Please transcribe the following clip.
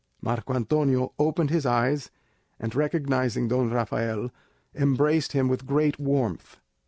Marco Antonio opened his eyes, and recognising Don Rafael, embraced him with great warmth.